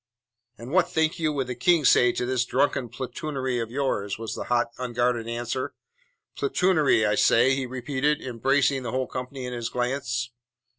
"And what think you would the King say to this drunken poltroonery of yours?" was the hot unguarded answer. "Poltroonery, I say," he repeated, embracing the whole company in his glance.